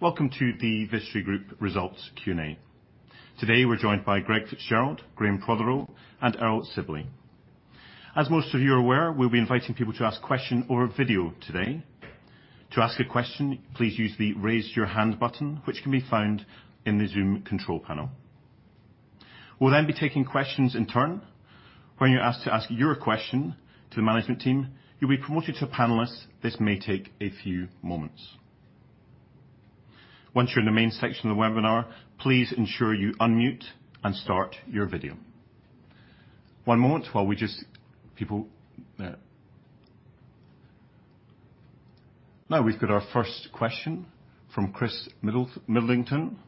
Welcome to the Vistry Group results Q&A. Today, we're joined by Greg Fitzgerald, Graham Prothero, and Earl Sibley. As most of you are aware, we'll be inviting people to ask question over video today. To ask a question, please use the Raise Your Hand button, which can be found in the Zoom control panel. We'll be taking questions in turn. When you're asked to ask your question to the management team, you'll be promoted to a panelist. This may take a few moments. Once you're in the main section of the webinar, please ensure you unmute and start your video. One moment while we just. We've got our first question from Chris Millington.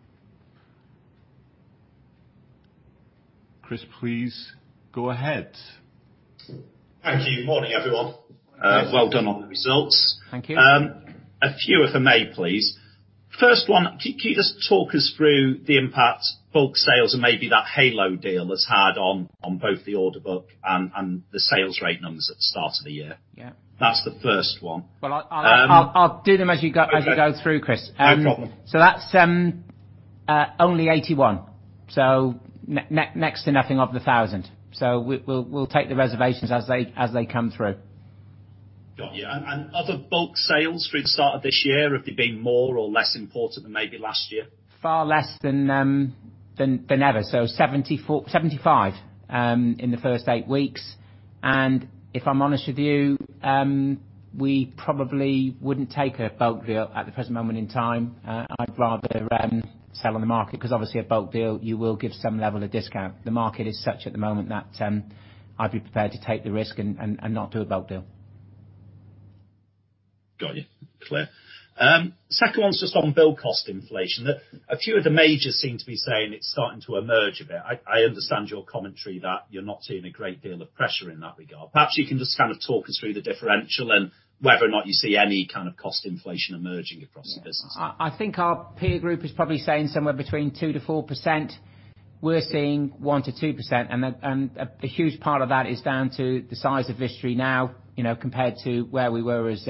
Chris, please go ahead. Thank you. Morning, everyone. Morning. Well done on the results. Thank you. A few, if I may, please. First one, can you just talk us through the impact bulk sales and maybe that Heylo deal has had on both the order book and the sales rate numbers at the start of the year? Yeah. That's the first one. Well, I'll do them as you go through, Chris. No problem. That's, only 81, next to nothing of the 1,000. We'll take the reservations as they come through. Got you. Other bulk sales through the start of this year, have they been more or less important than maybe last year? Far less than ever. 75 in the first eight weeks. If I'm honest with you, we probably wouldn't take a bulk deal at the present moment in time. I'd rather sell on the market, because obviously a bulk deal, you will give some level of discount. The market is such at the moment that I'd be prepared to take the risk and not do a bulk deal. Got you. Clear. Second one's just on build cost inflation. A few of the majors seem to be saying it's starting to emerge a bit. I understand your commentary that you're not seeing a great deal of pressure in that regard. Perhaps you can just kind of talk us through the differential and whether or not you see any kind of cost inflation emerging across the business. I think our peer group is probably saying somewhere between 2%-4%. We're seeing 1%-2%, and a huge part of that is down to the size of Vistry now, compared to where we were as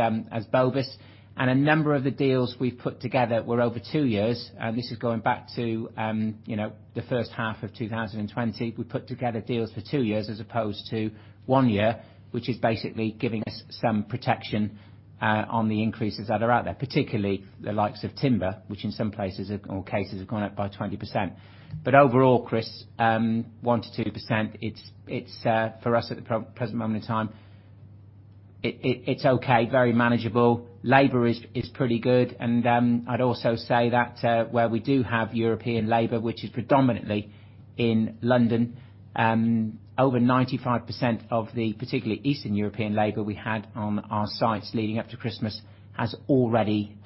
Bovis. A number of the deals we've put together were over two years. This is going back to the first half of 2020. We put together deals for two years as opposed to one year, which is basically giving us some protection on the increases that are out there, particularly the likes of timber, which in some places or cases have gone up by 20%. Overall, Chris, 1%-2% it's for us at the present moment in time, it's okay, very manageable. Labor is pretty good. I'd also say that where we do have European labor, which is predominantly in London, over 95% of the particularly Eastern European labor we had on our sites leading up to Christmas has already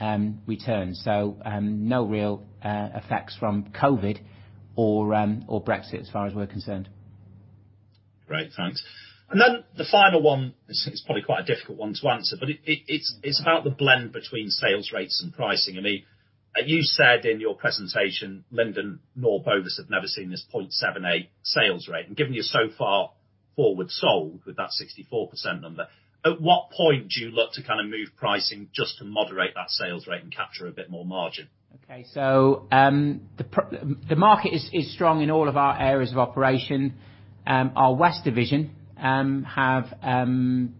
returned. No real effects from COVID or Brexit as far as we're concerned. Great. Thanks. The final one is probably quite a difficult one to answer, but it's about the blend between sales rates and pricing. You said in your presentation Linden Homes have never seen this 0.78 sales rate, and given you're so far forward sold with that 64% number, at what point do you look to move pricing just to moderate that sales rate and capture a bit more margin? Okay. The market is strong in all of our areas of operation. Our West division have,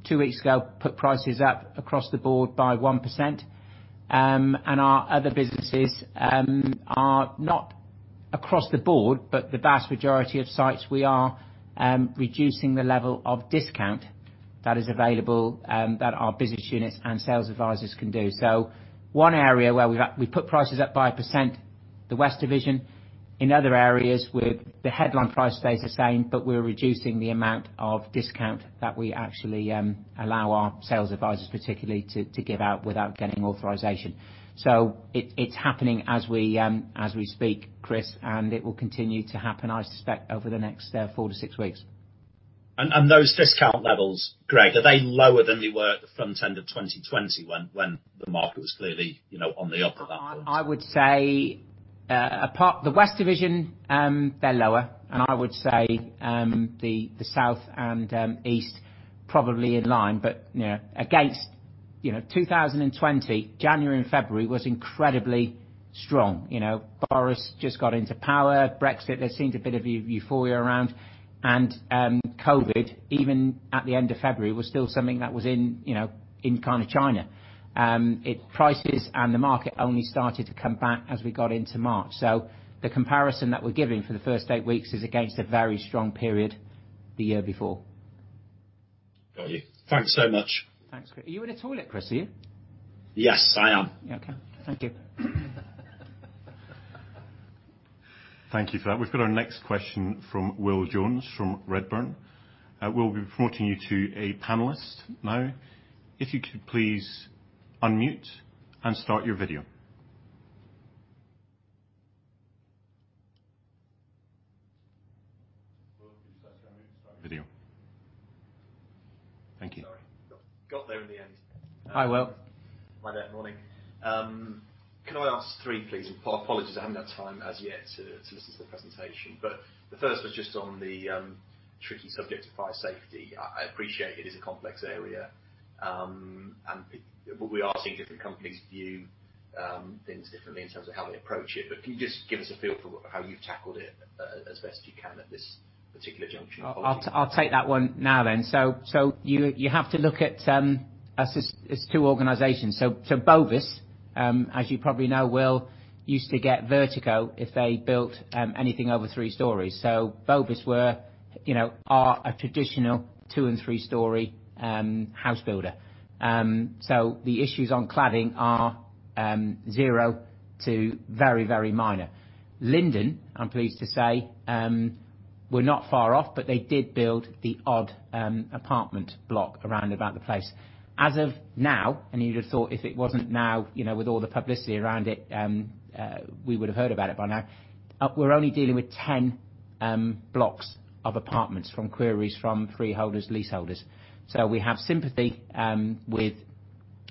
two weeks ago, put prices up across the board by 1%, and our other businesses are not across the board, but the vast majority of sites, we are reducing the level of discount that is available, that our business units and sales advisors can do. One area where we put prices up by 1%, the West division. In other areas, the headline price stays the same, but we're reducing the amount of discount that we actually allow our sales advisors particularly to give out without getting authorization. It's happening as we speak, Chris, and it will continue to happen, I suspect, over the next four to six weeks. Those discount levels, Greg, are they lower than they were at the front end of 2020 when the market was clearly on the up at that point? I would say the West division, they're lower. I would say the South and East probably in line. Against 2020, January and February was incredibly strong. Bovis just got into power. Brexit, there seemed a bit of euphoria around. COVID, even at the end of February, was still something that was in kind of China. Prices and the market only started to come back as we got into March. The comparison that we're giving for the first eight weeks is against a very strong period the year before. Got you. Thanks so much. Thanks, Chris. You're in a toilet, Chris, are you? Yes, I am. Okay. Thank you. Thank you for that. We've got our next question from Will Jones from Redburn. Will, we'll be promoting you to a panelist now. If you could please unmute and start your video. Will, could you unmute and start your video? Thank you. Sorry. Got there in the end. Hi, Will. Hi there. Morning. Can I ask three, please? Apologies, I haven't had time as yet to listen to the presentation. The first was just on the tricky subject of fire safety. I appreciate it is a complex area. We are seeing different companies view things differently in terms of how they approach it. Can you just give us a feel for how you've tackled it as best you can at this particular juncture? I'll take that one now. You have to look at us as two organizations. Bovis, as you probably know, Will, used to get vertigo if they built anything over three stories. Bovis are a traditional two and three story house builder. The issues on cladding are zero to very minor. Linden, I'm pleased to say, were not far off, but they did build the odd apartment block around about the place. As of now, you'd have thought if it wasn't now, with all the publicity around it, we would have heard about it by now. We're only dealing with 10 blocks of apartments from queries from freeholders, leaseholders. We have sympathy with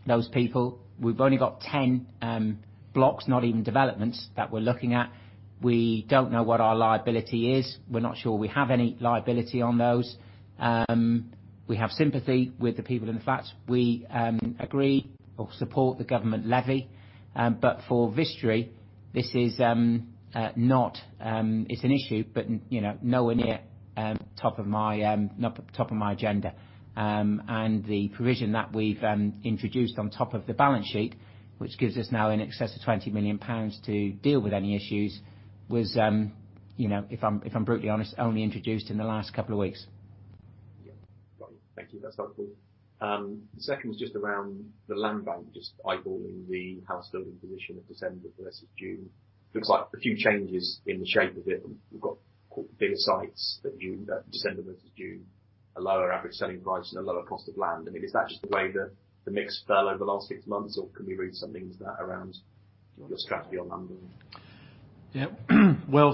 those people. We've only got 10 blocks, not even developments, that we're looking at. We don't know what our liability is. We're not sure we have any liability on those. We have sympathy with the people in the flats. We agree or support the government levy. For Vistry, this is an issue, but nowhere near top of my agenda. The provision that we've introduced on top of the balance sheet, which gives us now in excess of 20 million pounds to deal with any issues, was, if I'm brutally honest, only introduced in the last couple of weeks. Yeah. Right. Thank you. That's helpful. Second is just around the land bank, just eyeballing the house building position at December versus June. Looks like a few changes in the shape of it, and we've got bigger sites that December versus June, a lower average selling price and a lower cost of land. I mean, is that just the way the mix fell over the last six months, or can we read something into that around your strategy on land building? Will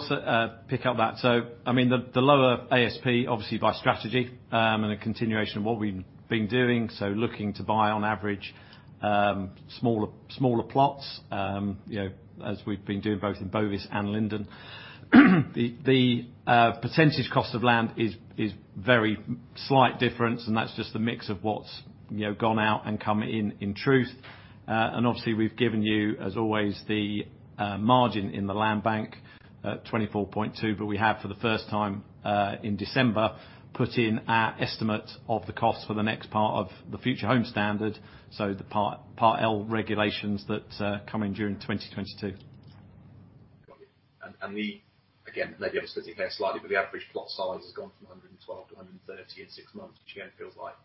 pick up that. The lower ASP, obviously by strategy, and a continuation of what we've been doing, so looking to buy on average smaller plots, as we've been doing both in Bovis and Linden. The percentage cost of land is very slight difference, and that's just the mix of what's gone out and come in truth. Obviously we've given you, as always, the margin in the land bank at 24.2, but we have, for the first time, in December, put in our estimate of the cost for the next part of the Future Homes Standard, so the Part L regulations that come in during 2022. Got it. Again, maybe I'm splitting hairs slightly, but the average plot size has gone from 112 to 130 in six months, which again feels like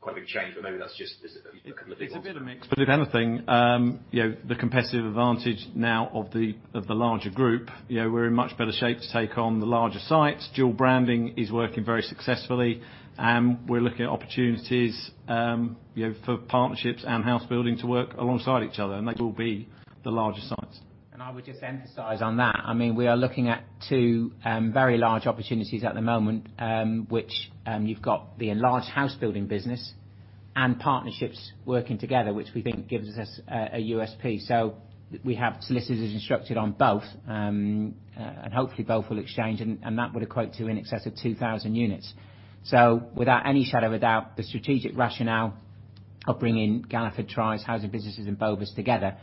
quite a big change, but maybe that's just a couple of things. It's a bit of mix. If anything, the competitive advantage now of the larger group, we're in much better shape to take on the larger sites. Dual branding is working very successfully. We're looking at opportunities for partnerships and house building to work alongside each other, they'd all be the larger sites. I would just emphasize on that, we are looking at two very large opportunities at the moment, which you've got the enlarged house building business and partnerships working together, which we think gives us a USP. We have solicitors instructed on both, and hopefully both will exchange, and that would equate to in excess of 2,000 units. Without any shadow of a doubt, the strategic rationale of bringing Galliford Try's housing businesses and Bovis together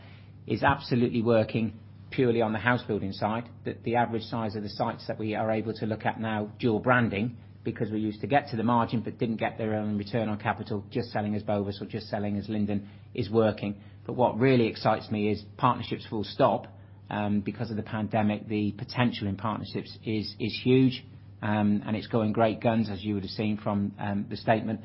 is absolutely working purely on the house building side. The average size of the sites that we are able to look at now, dual branding, because we used to get to the margin, but didn't get their own return on capital, just selling as Bovis or just selling as Linden, is working. What really excites me is partnerships full stop. The potential in partnerships is huge, and it's going great guns, as you would have seen from the statement.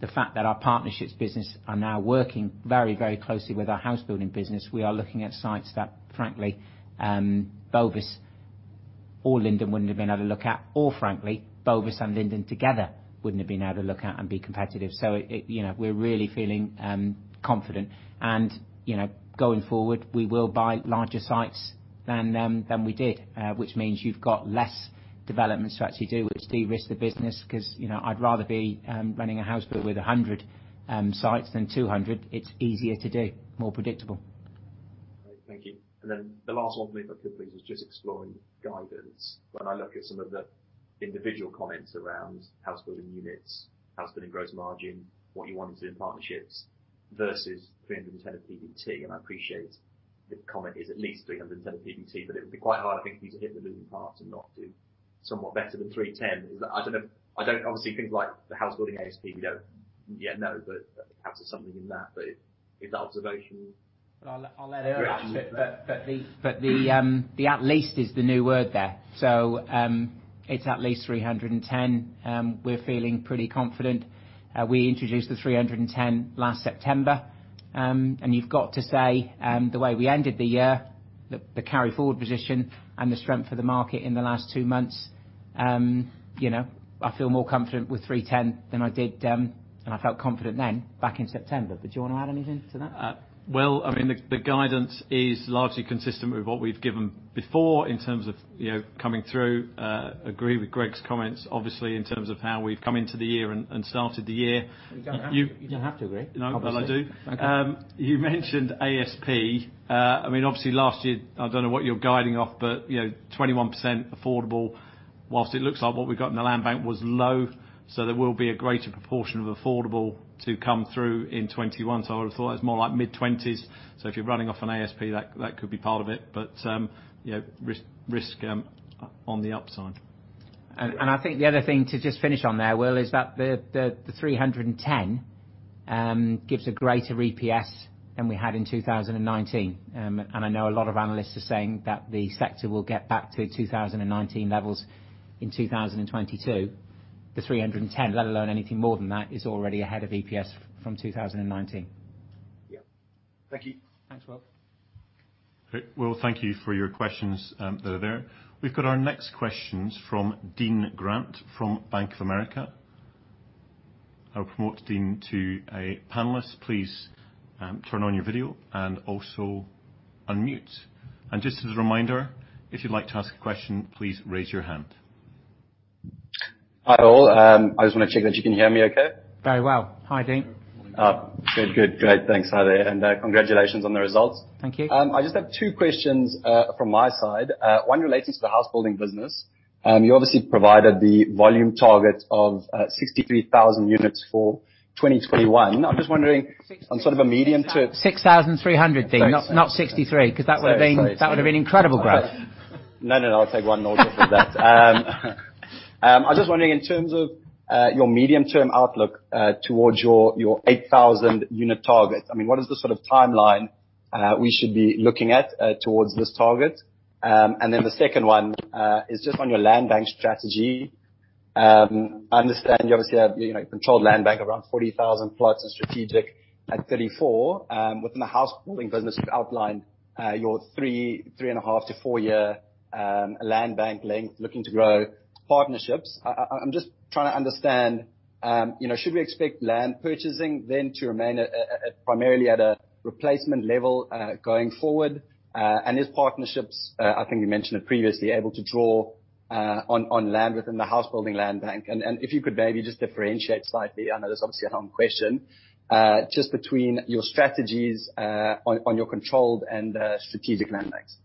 The fact that our partnerships business are now working very closely with our house building business, we are looking at sites that frankly, Bovis or Linden wouldn't have been able to look at, or frankly, Bovis and Linden together wouldn't have been able to look at and be competitive. We're really feeling confident. Going forward, we will buy larger sites than we did, which means you've got less developments to actually do, which de-risks the business because I'd rather be running a house build with 100 sites than 200. It's easier to do, more predictable. All right. Thank you. The last one for me, if I could please, is just exploring guidance. When I look at some of the individual comments around house building units, house building gross margin, what you want to do in partnerships versus 310 million of PBT, and I appreciate the comment is at least 310 million of PBT, but it would be quite hard, I think, for you to hit the moving parts and not do somewhat better than 310. Obviously things like the house building ASP, we don't yet know, but perhaps there's something in that. Is that observation? I'll let Earl answer that. The at least is the new word there. It's at least 310. We're feeling pretty confident. We introduced the 310 million last September. You've got to say, the way we ended the year, the carry forward position and the strength of the market in the last two months, I feel more confident with 310 million than I did then, and I felt confident then back in September. Do you want to add anything to that? Well, the guidance is largely consistent with what we've given before in terms of coming through. Agree with Greg's comments, obviously, in terms of how we've come into the year and started the year. You don't have to agree. No, but I do. Okay. You mentioned ASP. Obviously last year, I don't know what you're guiding off, but 21% affordable. Whilst it looks like what we got in the land bank was low, there will be a greater proportion of affordable to come through in 2021. I would've thought it was more like mid-20s. If you're running off an ASP, that could be part of it. Risk on the upside. I think the other thing to just finish on there, Will, is that the 310 million gives a greater EPS than we had in 2019. I know a lot of analysts are saying that the sector will get back to 2019 levels in 2022. The 310 million, let alone anything more than that, is already ahead of EPS from 2019. Yeah. Thank you. Thanks, Will. Great. Will, thank you for your questions there. We've got our next questions from Dean Grant from Bank of America. I will promote Dean to a panelist. Please turn on your video and also unmute. Just as a reminder, if you'd like to ask a question, please raise your hand. Hi, all. I just want to check that you can hear me okay. Very well. Hi, Dean. Good. Great, thanks. Hi there. Congratulations on the results. Thank you. I just have two questions from my side. One relates to the house building business. You obviously provided the volume target of 63,000 units for 2021. I'm just wondering on sort of a medium to- 6,300, Dean. Sorry. Not 63,000, because that would've been- Sorry. that would've been incredible growth. No, no, I'll take one notice of that. I was just wondering, in terms of your medium term outlook towards your 8,000 unit target, what is the sort of timeline we should be looking at towards this target? The second one is just on your land bank strategy. I understand you obviously have controlled land bank around 40,000 plots and strategic at 34. Within the house building business, you've outlined your 3.5 to 4 year land bank length looking to grow partnerships. I'm just trying to understand, should we expect land purchasing then to remain primarily at a replacement level going forward? Is partnerships, I think you mentioned it previously, able to draw on land within the house building land bank? If you could maybe just differentiate slightly, I know this is obviously a long question, just between your strategies on your controlled and strategic land banks.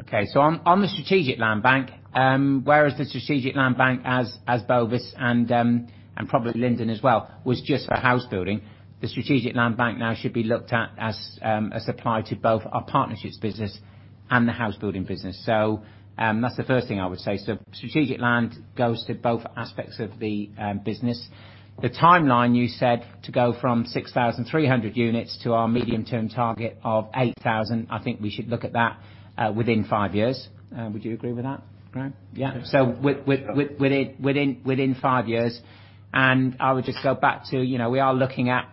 Okay, on the strategic land bank, whereas the strategic land bank as Bovis and probably Linden as well, was just for housebuilding, the strategic land bank now should be looked at as a supply to both our partnerships business and the housebuilding business. That's the first thing I would say. Strategic land goes to both aspects of the business. The timeline you said to go from 6,300 units to our medium term target of 8,000, I think we should look at that within five years. Would you agree with that, Graham? Yeah. Yeah. Within five years, and I would just go back to we are looking at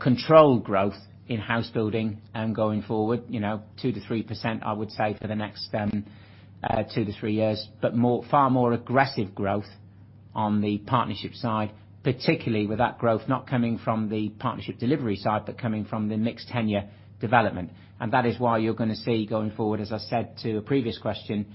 controlled growth in housebuilding going forward. 2%-3%, I would say, for the next two to three years. Far more aggressive growth on the partnership side, particularly with that growth not coming from the partner delivery side, but coming from the mixed tenure development. That is why you're going to see going forward, as I said to a previous question,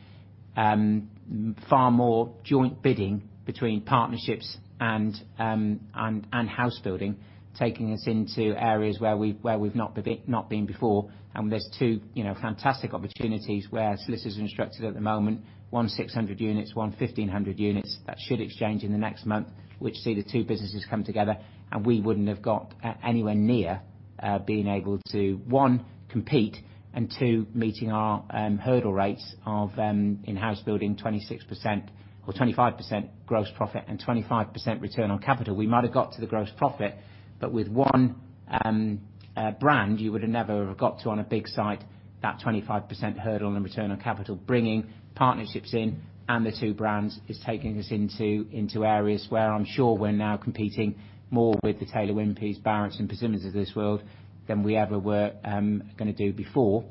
far more joint bidding between partnerships and housebuilding, taking us into areas where we've not been before. There's two fantastic opportunities where solicitors are instructed at the moment, one 600 units, one 1,500 units, that should exchange in the next month, which see the two businesses come together. We wouldn't have got anywhere near being able to, one, compete and two, meeting our hurdle rates of in house building, 26% or 25% gross profit and 25% return on capital. We might have got to the gross profit, but with one brand you would have never have got to, on a big site, that 25% hurdle on the return on capital. Bringing partnerships in and the two brands is taking us into areas where I'm sure we're now competing more with the Taylor Wimpey, Barratt and Persimmon of this world than we ever were going to do before.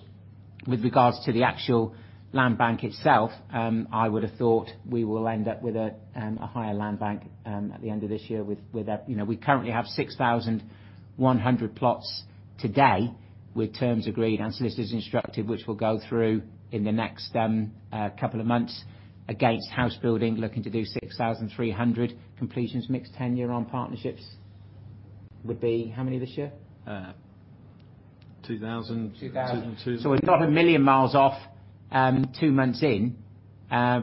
With regards to the actual land bank itself, I would've thought we will end up with a higher land bank at the end of this year. We currently have 6,100 plots today with terms agreed and solicitors instructed, which will go through in the next couple of months against housebuilding looking to do 6,300 completions. mixed tenure on partnerships would be how many this year? 2,000. 2,000. 2,002. We're not a million miles off two months in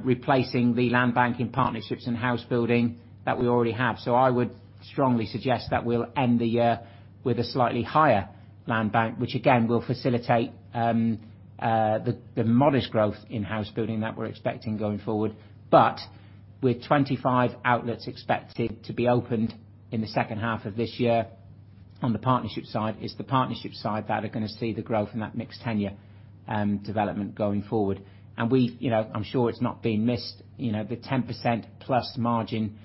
replacing the land bank in Partnerships and house building that we already have. I would strongly suggest that we'll end the year with a slightly higher land bank, which again, will facilitate the modest growth in house building that we're expecting going forward. With 25 outlets expected to be opened in the second half of this year on the Partnership side, it's the Partnership side that are going to see the growth in that mixed tenure development going forward. I'm sure it's not been missed, the 10% plus margin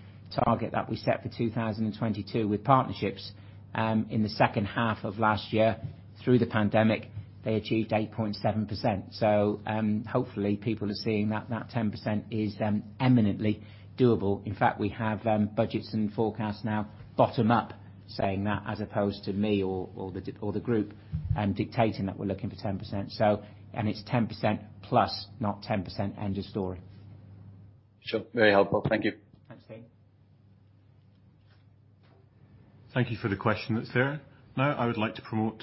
target that we set for 2022 with Partnerships in the second half of last year through the pandemic, they achieved 8.7%. Hopefully people are seeing that 10% is eminently doable. In fact, we have budgets and forecasts now bottom up saying that as opposed to me or the group dictating that we're looking for 10%. It's 10% plus, not 10% end of story. Sure. Very helpful. Thank you. Thanks, Dean. Thank you for the question, Sarah. I would like to promote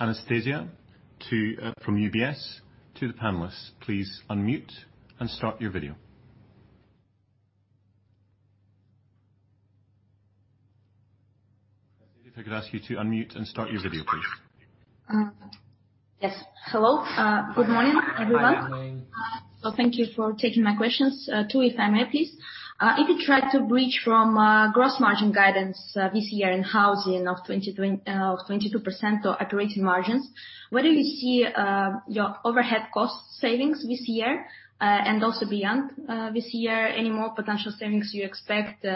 Anastasia from UBS to the panelists. Please unmute and start your video. Anastasia, if I could ask you to unmute and start your video, please. Yes. Hello. Good morning, everyone. Hi, Anastasia. Thank you for taking my questions. Two, if I may, please. If you try to bridge from gross margin guidance this year in housing of 22% operating margins, where do you see your overhead cost savings this year and also beyond this year? Any more potential savings you expect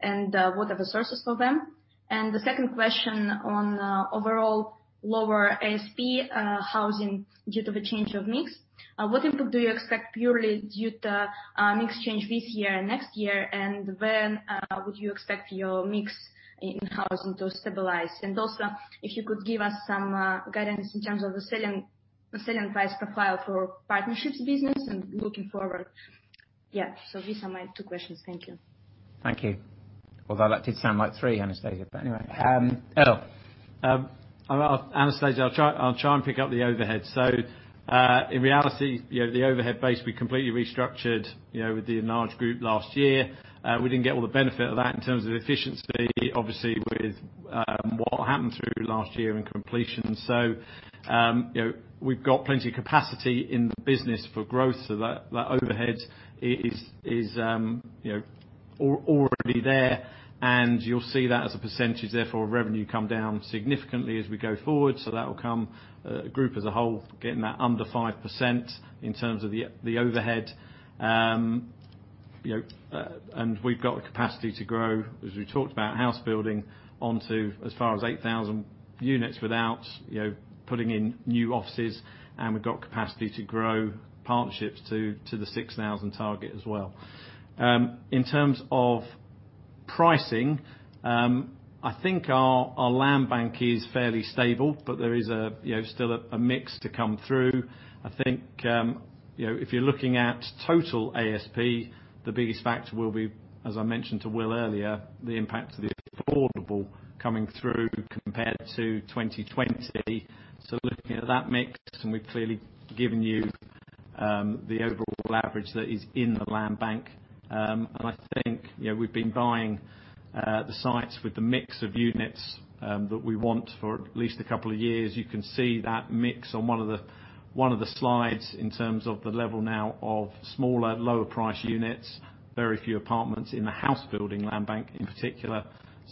and what are the sources for them? The second question on overall lower ASP housing due to the change of mix. What input do you expect purely due to mix change this year and next year, and when would you expect your mix in housing to stabilize? Also if you could give us some guidance in terms of the selling price profile for partnerships business and looking forward. Yeah. These are my two questions. Thank you. Thank you. Although that did sound like three, Anastasia. Anyway, Earl. Anastasia, I'll try and pick up the overhead. In reality, the overhead base we completely restructured with the enlarged group last year. We didn't get all the benefit of that in terms of efficiency, obviously, with what happened through last year and completion. We've got plenty of capacity in the business for growth so that overhead is already there, and you'll see that as a percentage, therefore, revenue come down significantly as we go forward. That'll come group as a whole, getting that under 5% in terms of the overhead. We've got the capacity to grow, as we talked about, house building onto as far as 8,000 units without putting in new offices, and we've got capacity to grow partnerships to the 6,000 target as well. In terms of pricing, I think our land bank is fairly stable, but there is still a mix to come through. I think if you're looking at total ASP, the biggest factor will be, as I mentioned to Will earlier, the impact of the affordable coming through compared to 2020. Looking at that mix, we've clearly given you the overall average that is in the land bank. I think we've been buying the sites with the mix of units that we want for at least a couple of years. You can see that mix on one of the slides in terms of the level now of smaller, lower price units. Very few apartments in the house building land bank in particular.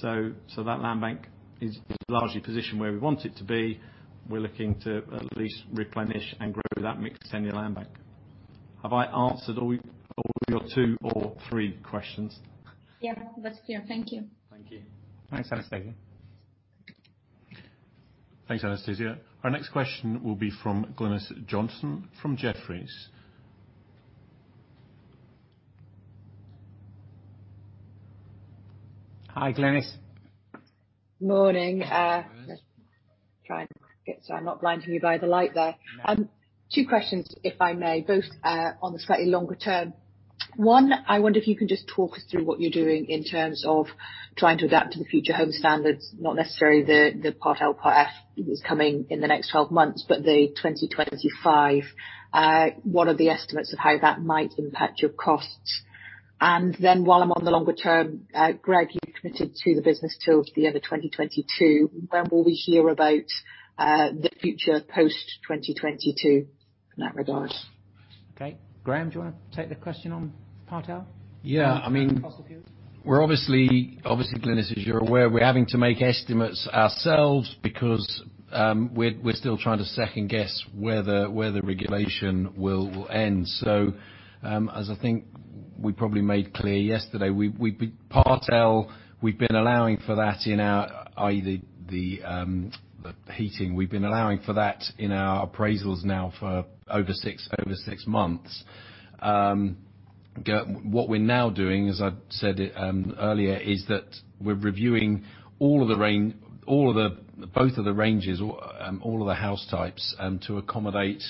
That land bank is largely positioned where we want it to be. We're looking to at least replenish and grow that mixed tenure land bank. Have I answered all of your two or three questions? Yeah, that's clear. Thank you. Thank you. Thanks, Anastasia. Thanks, Anastasia. Our next question will be from Glynis Johnson from Jefferies. Hi, Glynis. Morning. Try and get so I'm not blinding you by the light there. Two questions, if I may, both on the slightly longer term. One, I wonder if you can just talk us through what you're doing in terms of trying to adapt to the Future Homes Standard. Not necessarily the Part L, Part F that's coming in the next 12 months, but the 2025. What are the estimates of how that might impact your costs? Then, while I'm on the longer term, Greg, you committed to the business till the end of 2022. When will we hear about the future post 2022 in that regard? Okay. Graham, do you want to take the question on Part L? Yeah. Cost appeals. Obviously, Glynis, as you're aware, we're having to make estimates ourselves because we're still trying to second-guess where the regulation will end. As I think we probably made clear yesterday, Part L, we've been allowing for that in our, i.e., the heating. We've been allowing for that in our appraisals now for over six months. What we're now doing, as I said earlier, is that we're reviewing both of the ranges, all of the house types, to accommodate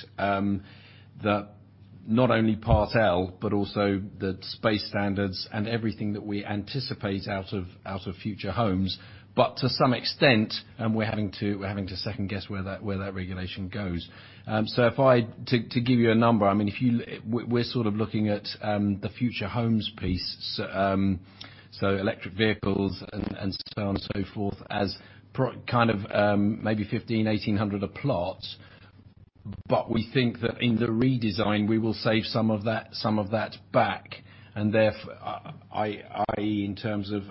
not only Part L, but also the space standards and everything that we anticipate out of future homes. To some extent, we're having to second-guess where that regulation goes. To give you a number, we're sort of looking at the future homes piece, so electric vehicles and so on and so forth as kind of maybe 1,500-1,800 a plot. We think that in the redesign, we will save some of that back and therefore, i.e., in terms of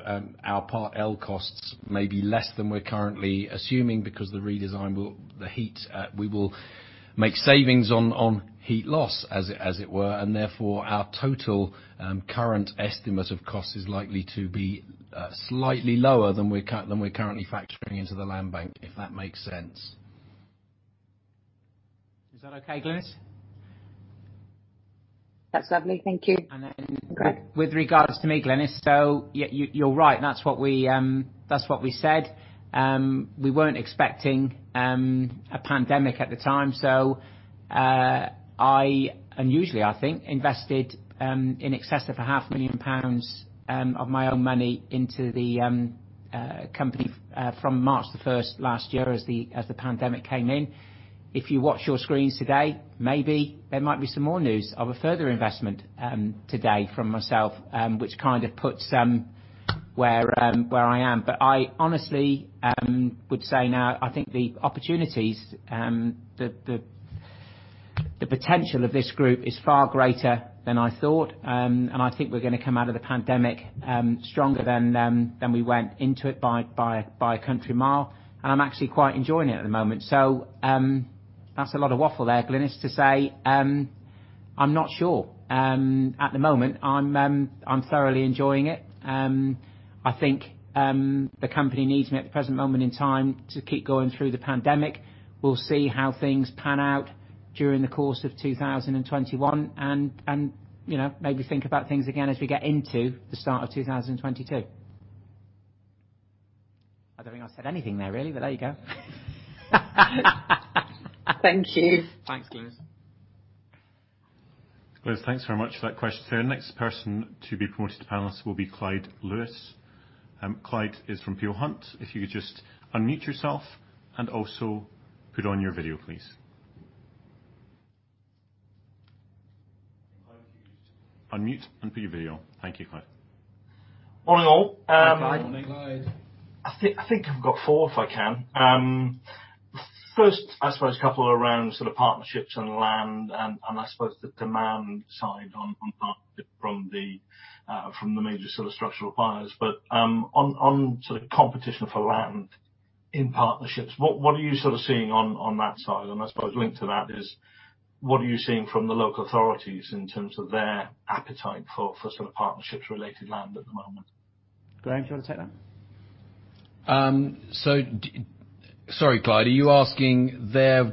our Part L costs may be less than we're currently assuming because the redesign, the heat, we will make savings on heat loss, as it were, and therefore, our total current estimate of cost is likely to be slightly lower than we're currently factoring into the land bank, if that makes sense. Is that okay, Glynis? That's lovely. Thank you. And then- Greg With regards to me, Glynis, you're right. That's what we said. We weren't expecting a pandemic at the time, so I, unusually I think, invested in excess of a 500 million pounds of my own money into the company from March the 1st last year as the pandemic came in. If you watch your screens today, maybe there might be some more news of a further investment today from myself, which kind of puts where I am. I honestly would say now, I think the opportunities, the potential of this group is far greater than I thought, and I think we're going to come out of the pandemic stronger than we went into it by a country mile. I'm actually quite enjoying it at the moment. That's a lot of waffle there, Glynis, to say I'm not sure. At the moment, I'm thoroughly enjoying it. I think the company needs me at the present moment in time to keep going through the pandemic. We'll see how things pan out during the course of 2021 and maybe think about things again as we get into the start of 2022. I don't think I said anything there, really, but there you go. Thank you. Thanks, Glynis. Glynis, thanks very much for that question. The next person to be promoted to panelist will be Clyde Lewis. Clyde is from Peel Hunt. If you could just unmute yourself and also put on your video, please. I'm muted. Unmute and put your video on. Thank you, Clyde. Morning, all. Hi, Clyde. Morning. Clyde. I think I've got four, if I can. First, I suppose a couple around partnerships and land and I suppose the demand side on partnership from the major structural buyers. On competition for land in partnerships, what are you seeing on that side? I suppose linked to that is what are you seeing from the local authorities in terms of their appetite for partnerships related land at the moment? Graham, do you want to take that? Sorry, Clyde, are you asking their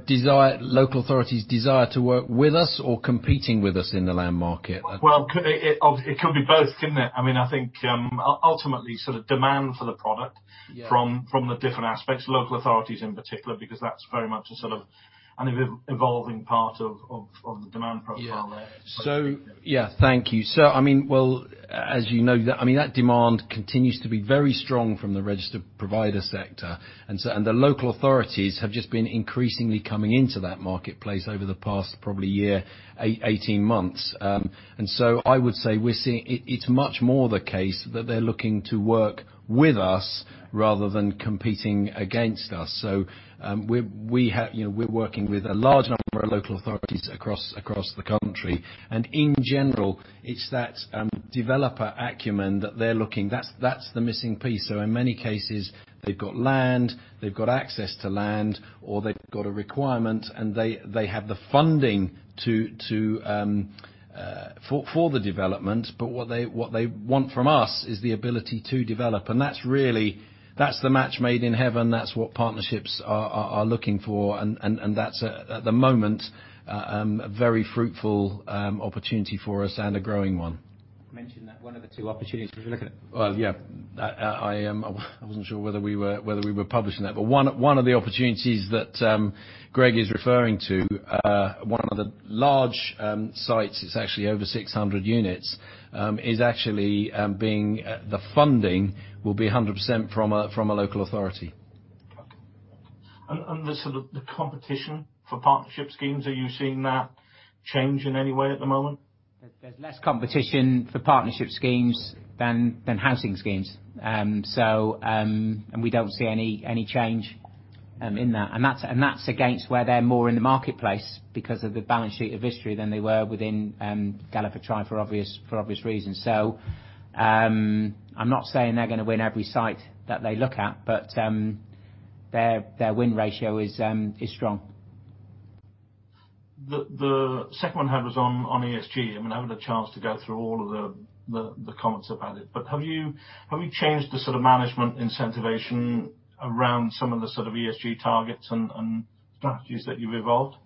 local authority's desire to work with us or competing with us in the land market? Well, it could be both, couldn't it? I think ultimately demand for the product- Yeah from the different aspects, local authorities in particular, because that's very much an evolving part of the demand profile there. Yeah. Thank you. Well, as you know, that demand continues to be very strong from the registered provider sector. The local authorities have just been increasingly coming into that marketplace over the past probably year, 18 months. I would say we're seeing it's much more the case that they're looking to work with us rather than competing against us. We're working with a large number of local authorities across the country and in general, it's that developer acumen that they're looking. That's the missing piece. In many cases, they've got land, they've got access to land or they've got a requirement and they have the funding for the development. What they want from us is the ability to develop. That's really, that's the match made in heaven. That's what partnerships are looking for. That's at the moment a very fruitful opportunity for us and a growing one. Mentioned that one of the two opportunities we were looking at. Well, yeah. I wasn't sure whether we were publishing that. One of the opportunities that Greg is referring to, one of the large sites, it's actually over 600 units, the funding will be 100% from a local authority. The competition for partnership schemes, are you seeing that change in any way at the moment? There's less competition for partnership schemes than housing schemes. We don't see any change in that. That's against where they're more in the marketplace because of the balance sheet of Vistry than they were within Galliford Try for obvious reasons. I'm not saying they're going to win every site that they look at, but their win ratio is strong. The second one I had was on ESG. I haven't had a chance to go through all of the comments about it. Have you changed the sort of management incentivation around some of the sort of ESG targets and strategies that you've evolved?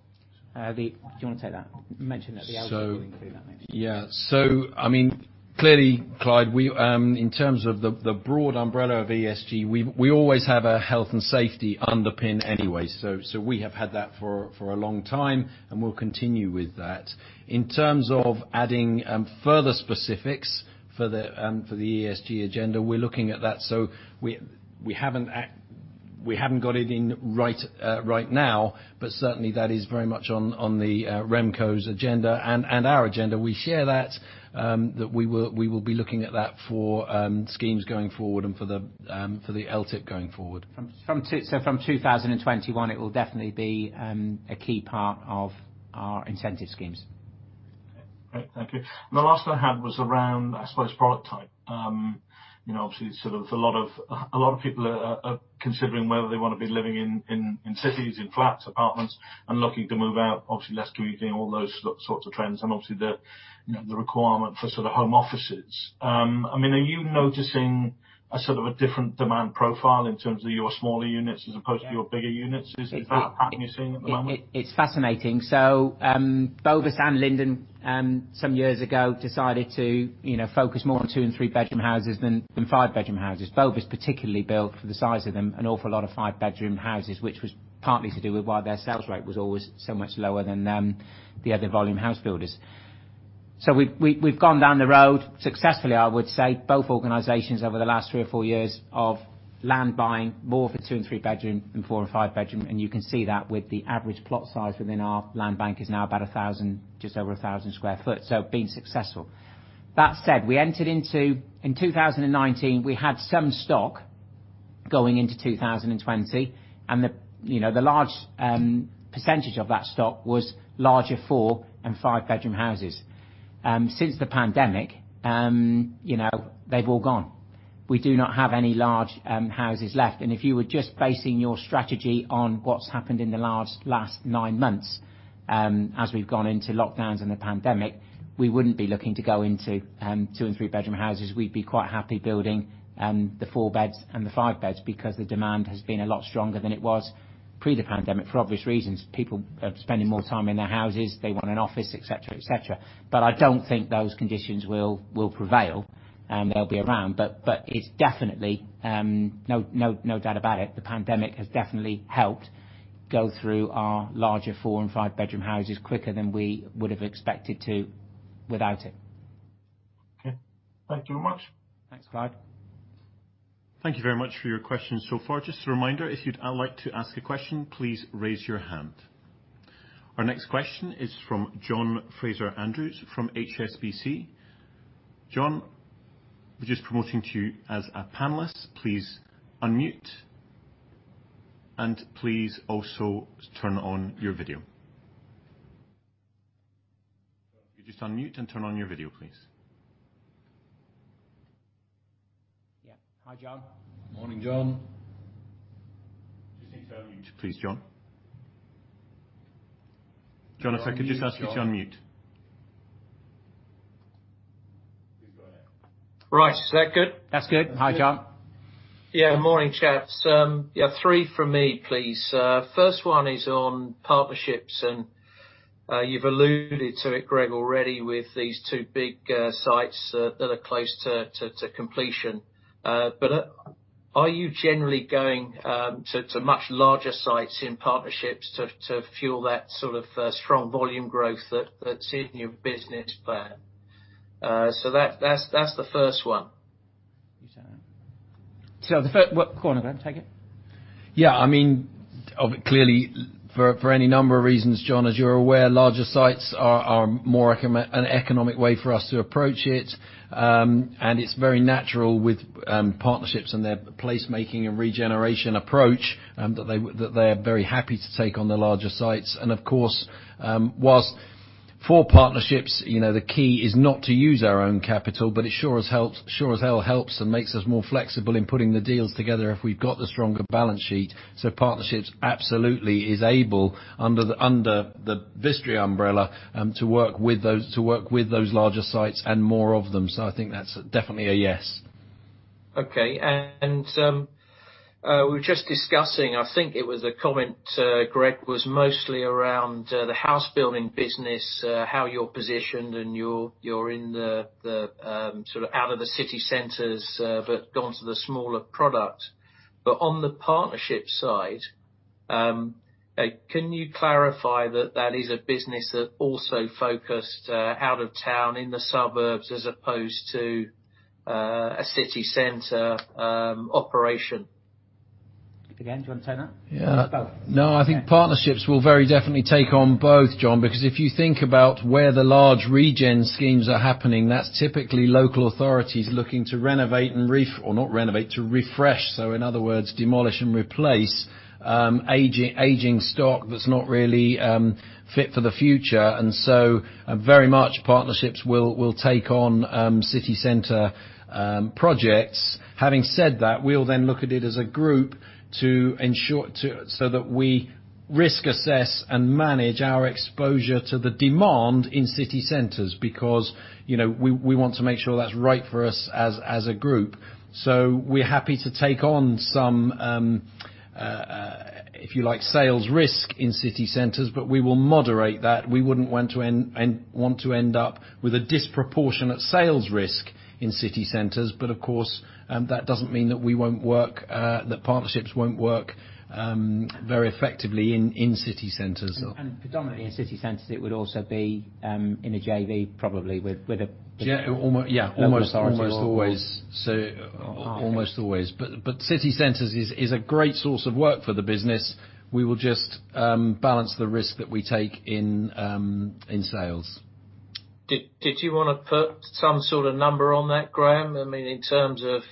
Lee, do you want to take that? Mention that the ESG will include that next year. Yeah. Clearly, Clyde, in terms of the broad umbrella of ESG, we always have a health and safety underpin anyway. We have had that for a long time, and we'll continue with that. In terms of adding further specifics for the ESG agenda, we're looking at that. We haven't got it in right now, but certainly that is very much on the RemCo's agenda and our agenda. We share that, we will be looking at that for schemes going forward and for the LTIP going forward. From 2021, it will definitely be a key part of our incentive schemes. Great. Thank you. The last one I had was around, I suppose, product type. Obviously a lot of people are considering whether they want to be living in cities, in flats, apartments, and looking to move out, obviously less commuting, all those sorts of trends, and obviously the requirement for home offices. Are you noticing a sort of a different demand profile in terms of your smaller units as opposed to your bigger units? Is that the pattern you're seeing at the moment? It's fascinating. Bovis and Linden some years ago decided to focus more on two and three bedroom houses than five bedroom houses. Bovis particularly built, for the size of them, an awful lot of five bedroom houses, which was partly to do with why their sales rate was always so much lower than the other volume house builders. We've gone down the road successfully, I would say, both organizations over the last three or four years of land buying more for two and three bedroom than four or five bedroom, and you can see that with the average plot size within our land bank is now just over 1,000 sq ft. Being successful. That said, in 2019, we had some stock going into 2020 and the large percentage of that stock was larger four and five bedroom houses. Since the pandemic, they've all gone. We do not have any large houses left, and if you were just basing your strategy on what's happened in the last nine months, as we've gone into lockdowns and the pandemic, we wouldn't be looking to go into two and three bedroom houses. We'd be quite happy building the four beds and the five beds because the demand has been a lot stronger than it was pre the pandemic for obvious reasons. People are spending more time in their houses, they want an office, et cetera. I don't think those conditions will prevail, and they'll be around. It's definitely, no doubt about it, the pandemic has definitely helped go through our larger four and five bedroom houses quicker than we would've expected to without it. Okay. Thank you very much. Thanks, Clyde. Thank you very much for your questions so far. Just a reminder, if you'd like to ask a question, please raise your hand. Our next question is from John Fraser-Andrews from HSBC. John, we're just promoting to you as a panelist. Please unmute and please also turn on your video. John, could you just unmute and turn on your video, please? Yeah. Hi, John. Morning, John. Just need to unmute please, John. John, if I could just ask you to unmute. Right. Is that good? That's good. Hi, John. Morning, chaps. Yeah, three from me, please. First one is on partnerships and you've alluded to it, Greg, already with these two big sites that are close to completion. Are you generally going to much larger sites in partnerships to fuel that sort of strong volume growth that's in your business plan? That's the first one. You take that? Go on, Graham, take it. Yeah, clearly for any number of reasons, John, as you're aware, larger sites are more an economic way for us to approach it. It's very natural with partnerships and their placemaking and regeneration approach that they are very happy to take on the larger sites. Of course, whilst for partnerships, the key is not to use our own capital, but it sure as hell helps and makes us more flexible in putting the deals together if we've got the stronger balance sheet. Partnerships absolutely is able, under the Vistry umbrella, to work with those larger sites and more of them. I think that's definitely a yes. Okay. We were just discussing, I think it was a comment Greg was mostly around the housebuilding business, how you're positioned and you're in the sort of out of the city centers, gone to the smaller product. On the partnership side, can you clarify that that is a business that also focused out of town in the suburbs as opposed to a city center operation? Again, do you want to take that? Yeah. Go. I think partnerships will very definitely take on both, John, because if you think about where the large regen schemes are happening, that's typically local authorities looking to renovate or not renovate, to refresh. In other words, demolish and replace aging stock that's not really fit for the future. Very much partnerships will take on city center projects. Having said that, we'll then look at it as a group so that we risk assess and manage our exposure to the demand in city centers because we want to make sure that's right for us as a group. We're happy to take on some, if you like, sales risk in city centers, but we will moderate that. We wouldn't want to end up with a disproportionate sales risk in city centers. Of course, that doesn't mean that partnerships won't work very effectively in city centers. Predominantly in city centers, it would also be in a JV probably with. Yeah. Almost always. authority or partner. Almost always. City centers is a great source of work for the business. We will just balance the risk that we take in sales. Did you want to put some sort of number on that, Graham? In terms of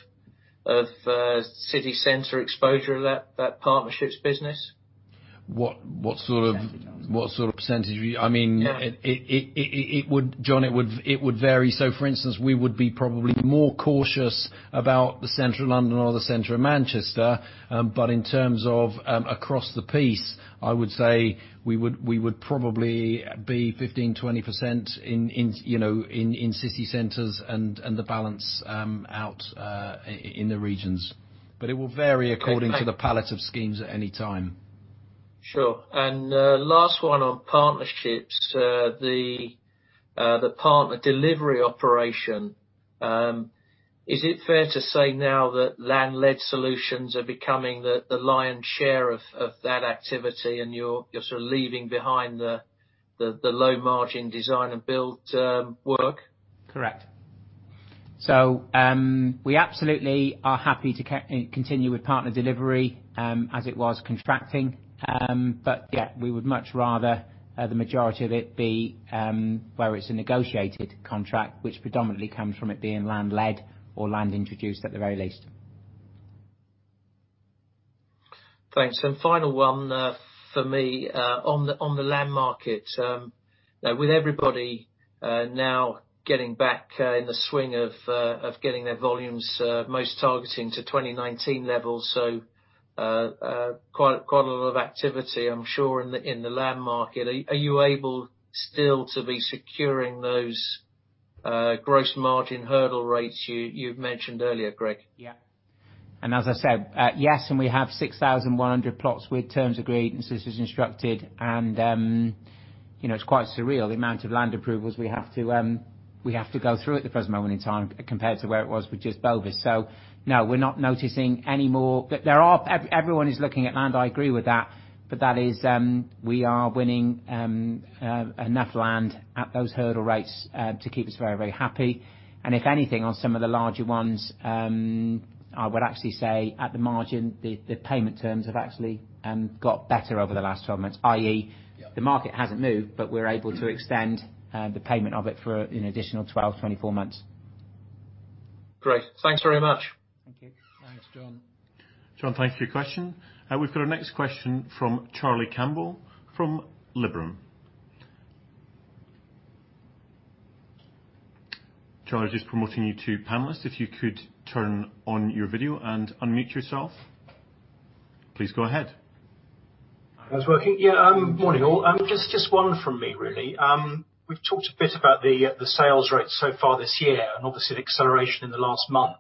city center exposure of that partnerships business? What sort of- what sort of percentage? John, it would vary. for instance, we would be probably more cautious about the central London or the center of Manchester. in terms of across the piece, I would say we would probably be 15%, 20% in city centers and the balance out in the regions. it will vary according to the palette of schemes at any time. Sure. Last one on partnerships, the partner delivery operation, is it fair to say now that land-led solutions are becoming the lion's share of that activity and you're leaving behind the low margin design and build work? Correct. We absolutely are happy to continue with partner delivery as it was contracting. Yeah, we would much rather the majority of it be where it's a negotiated contract, which predominantly comes from it being land-led or land introduced at the very least. Thanks. Final one for me. On the land market, with everybody now getting back in the swing of getting their volumes, most targeting to 2019 levels, quite a lot of activity, I am sure in the land market. Are you able still to be securing those gross margin hurdle rates you mentioned earlier, Greg? Yeah. As I said, yes, and we have 6,100 plots with terms agreed and solicitors instructed and it's quite surreal the amount of land approvals we have to go through at the present moment in time compared to where it was with just Bovis. No, we're not noticing anymore. Everyone is looking at land, I agree with that. That is, we are winning enough land at those hurdle rates to keep us very, very happy. If anything, on some of the larger ones, I would actually say at the margin the payment terms have actually got better over the last 12 months, i.e., the market hasn't moved, but we're able to extend the payment of it for an additional 12, 24 months. Great. Thanks very much. Thank you. Thanks, John. John, thank you for your question. We've got our next question from Charlie Campbell from Liberum. Charlie, just promoting you to panelist. If you could turn on your video and unmute yourself. Please go ahead. If that's working, yeah. Morning, all. Just one from me, really. We've talked a bit about the sales rates so far this year, and obviously the acceleration in the last month.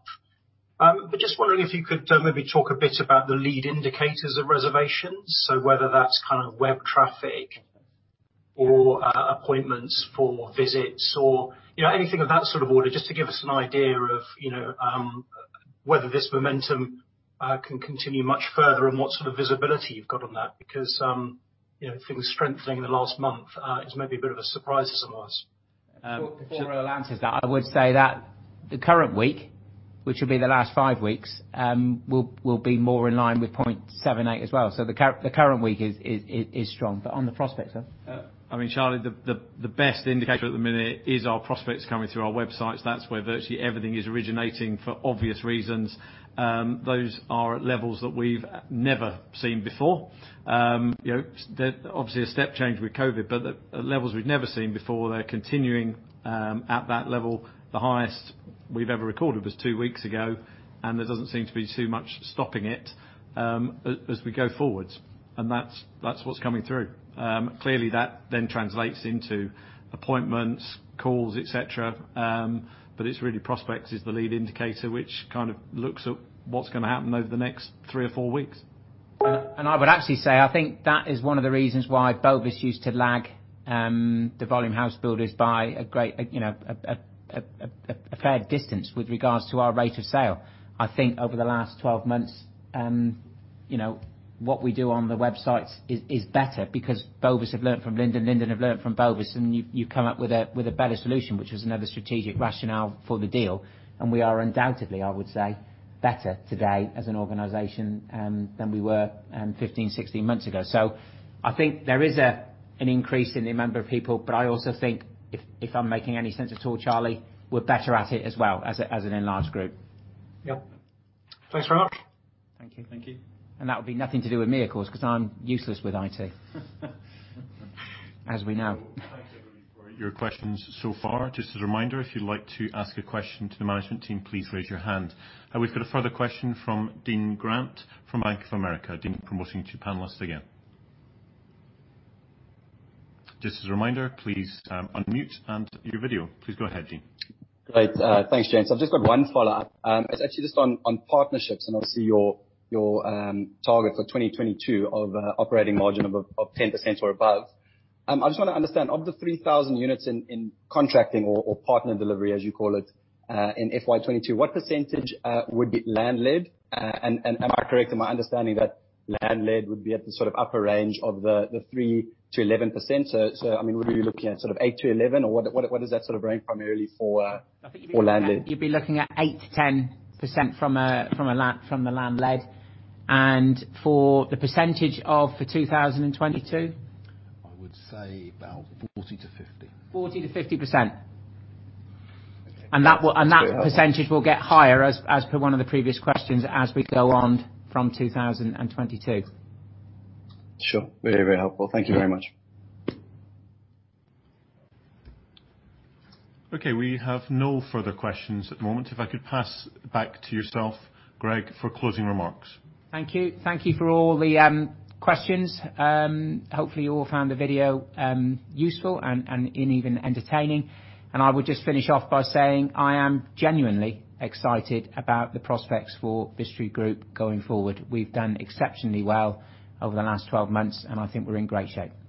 Just wondering if you could maybe talk a bit about the lead indicators of reservations. Whether that's kind of web traffic or appointments for visits or anything of that sort of order, just to give us an idea of whether this momentum can continue much further and what sort of visibility you've got on that. Things strengthening in the last month is maybe a bit of a surprise to some of us. Before Earl answers that, I would say that the current week, which would be the last five weeks, will be more in line with 0.78 as well. The current week is strong. On the prospects, sir? Charlie, the best indicator at the minute is our prospects coming through our websites. That's where virtually everything is originating for obvious reasons. Those are at levels that we've never seen before. Obviously a step change with COVID, at levels we've never seen before. They're continuing at that level. The highest we've ever recorded was two weeks ago, there doesn't seem to be too much stopping it as we go forwards, that's what's coming through. Clearly that translates into appointments, calls, et cetera. It's really prospects is the lead indicator, which kind of looks at what's going to happen over the next three or four weeks. I would actually say, I think that is one of the reasons why Bovis used to lag the volume housebuilders by a fair distance with regards to our rate of sale. I think over the last 12 months, what we do on the websites is better because Bovis have learned from Linden have learned from Bovis, and you come up with a better solution, which was another strategic rationale for the deal. We are undoubtedly, I would say, better today as an organization than we were 15, 16 months ago. I think there is an increase in the number of people, but I also think, if I'm making any sense at all, Charlie, we're better at it as well as an enlarged group. Yep. Thanks very much. Thank you. Thank you. That would be nothing to do with me, of course, because I'm useless with IT. As we know. Thanks, everybody, for your questions so far. Just a reminder, if you'd like to ask a question to the management team, please raise your hand. We've got a further question from Dean Grant from Bank of America. Dean, promoting you to panelist again. Just as a reminder, please unmute and your video. Please go ahead, Dean. Great. Thanks, gents. I've just got one follow-up. It's actually just on partnerships and obviously your targets for 2022 of operating margin of 10% or above. I just want to understand, of the 3,000 units in contracting or partner delivery, as you call it, in FY 2022, what percentage would be land-led? Am I correct in my understanding that land-led would be at the sort of upper range of the 3%-11%? Would we be looking at sort of 8%-11% or what does that sort of range primarily for land-led? You'd be looking at 8%-10% from the land-led. For the percentage of 2022? I would say about 40%-50%. 40%-50%. That percentage will get higher as per one of the previous questions as we go on from 2022. Sure. Very, very helpful. Thank you very much. Okay, we have no further questions at the moment. If I could pass back to yourself, Greg, for closing remarks. Thank you. Thank you for all the questions. Hopefully you all found the video useful and even entertaining. I would just finish off by saying I am genuinely excited about the prospects for Vistry Group going forward. We've done exceptionally well over the last 12 months, and I think we're in great shape.